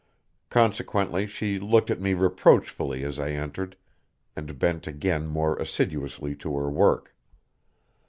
Consequently she looked at me reproachfully as I entered, and bent again more assiduously to her work.